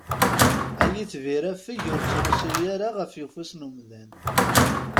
Ay itbir afeg ur ttrusu ara ɣef ufus n umdan!